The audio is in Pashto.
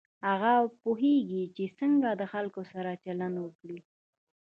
هغه پوهېږي چې څنګه د خلکو سره چلند وکړي.